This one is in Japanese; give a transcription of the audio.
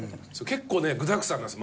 結構ね具だくさんなんです